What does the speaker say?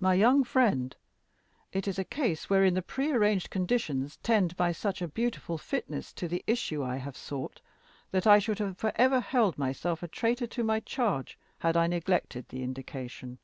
"My young friend, it is a case wherein the prearranged conditions tend by such a beautiful fitness to the issue I have sought, that I should have forever held myself a traitor to my charge had I neglected the indication."